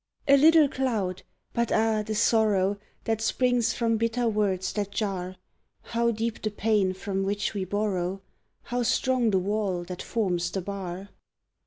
A little cloud! but ah, the sorrow That springs from bitter words that jar; How deep the pain from which we borrow, How strong the wall that forms the bar!